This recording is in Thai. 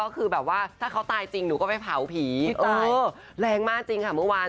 เพราะว่าไปเผาผีแรงมากจริงค่ะเมื่อวาน